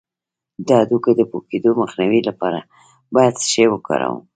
د هډوکو د پوکیدو مخنیوي لپاره باید څه شی وکاروم؟